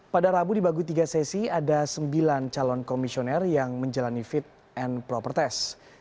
pada rabu dibagu tiga sesi ada sembilan calon komisioner yang menjalani fit and proper test